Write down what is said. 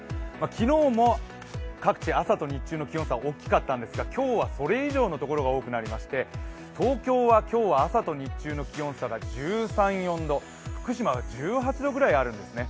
昨日も各地、朝と日中の気温差大きかったんですが今日はそれ以上のところが多くなりまして、東京は今日は朝と日中の気温差が１３１４度福島は１８度ぐらいあるんですね。